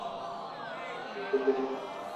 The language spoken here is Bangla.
কিছু ইউটিউব ভিডিও।